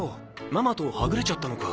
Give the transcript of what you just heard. ママとはぐれちゃったのか。